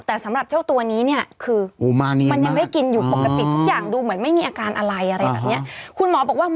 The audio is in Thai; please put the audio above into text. แต่สำหรับเจ้าตัวนี้เนี่ยคือมันยังได้กินอยู่ปกติทุกอย่างดูเหมือนไม่มีอาการอะไรอะไรแบบนี้คุณหมอบอกว่า